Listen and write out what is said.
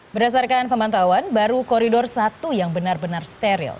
berdasarkan pemantauan baru koridor satu yang benar benar steril